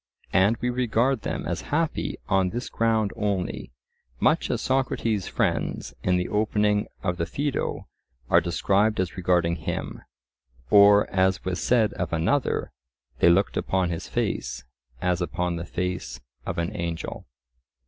And we regard them as happy on this ground only, much as Socrates' friends in the opening of the Phaedo are described as regarding him; or as was said of another, "they looked upon his face as upon the face of an angel."